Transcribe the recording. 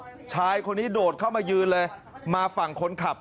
ชายคนนี้โดดเข้ามายืนเลยมาฝั่งคนขับ